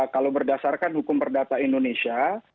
kalau berdasarkan hukum perdata indonesia